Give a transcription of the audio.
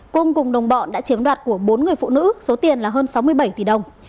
cung cùng đồng bọn đã chiếm đoạt của bốn người phụ nữ số tiền là hơn sáu mươi bảy tỷ đồng